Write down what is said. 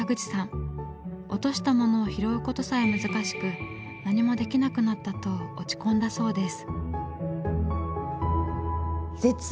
落とした物を拾うことさえ難しく「何もできなくなった」と落ち込んだそうです。